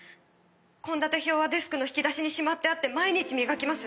献立表はデスクの引き出しにしまってあって毎日磨きます。